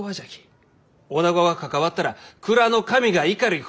おなごが関わったら蔵の神が怒り腐造を出す！